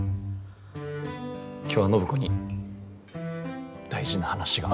今日は暢子に大事な話が。